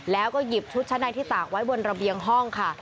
แล้วก็หยิบชุดชั้นในที่ตากไว้บนระเบียงห้องค่ะ